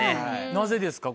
なぜですか？